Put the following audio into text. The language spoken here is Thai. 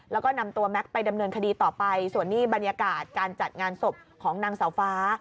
แล้วก็นำตัวแม็กซ์ไปดำเนินคดีต่อไปส่วนนี้บรรยากาศการจัดงานศพของนางเสาฟ้า